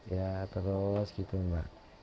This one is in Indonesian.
ya terus gitu mbak